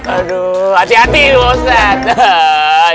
aduh hati hati loh ustadz